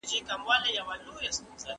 شل تر نولسو ډېر دي.